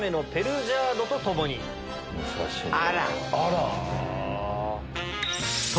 あら！